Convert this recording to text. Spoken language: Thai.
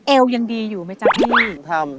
เอวยังดีอยู่ไหมจริง